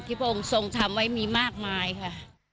พระองค์ทรงทำไว้มีมากมายค่ะ